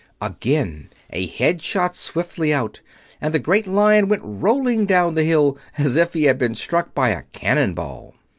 Again a head shot swiftly out, and the great Lion went rolling down the hill as if he had been struck by a cannon ball.